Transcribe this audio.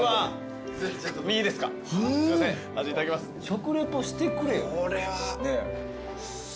食リポしてくれよ。